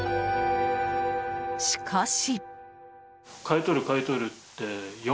しかし。